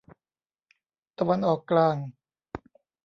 ตะวันออกกลาง